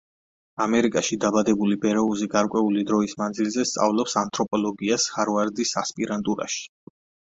ამერიკაში დაბრუნებული ბეროუზი გარკვეული დროის მანძილზე სწავლობს ანთროპოლოგიას ჰარვარდის ასპირანტურაში.